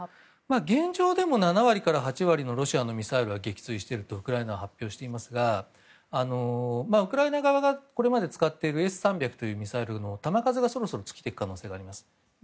現状でも、７割から８割のロシアミサイルは撃墜しているとウクライナは発表していますがウクライナ側がこれまで使っているＳ３００というミサイルの弾数がそろそろ尽きていく可能性があります。